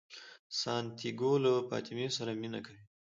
سانتیاګو له فاطمې سره مینه کوي.